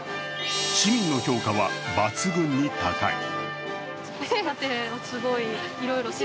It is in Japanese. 市民の評価は抜群に高い。